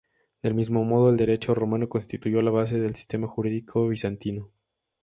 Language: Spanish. Del mismo modo, el derecho romano constituyó la base del sistema jurídico bizantino.